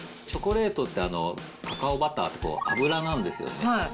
チョコレートってカカオバターって油なんですよね。